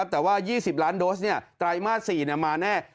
แต่ว่า๒๐ล้านโดสไตรมาส๔มาแน่